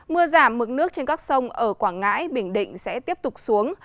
mưa giảm mực nước trên các sông ở quảng ngãi bình định sẽ tiếp tục xuống